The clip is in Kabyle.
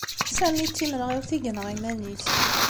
Sami d timenɣiwt i yenɣa iman-is.